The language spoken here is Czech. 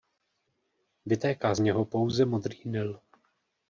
Vytéká z něho pouze Modrý Nil.